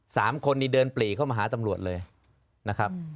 สามคนนี้เดินปลีเข้ามาหาตำรวจเลยนะครับ